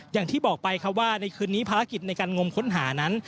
อย่างที่บอกไปครับว่าในคืนนี้ภารกิจในการงมค้นหานั้น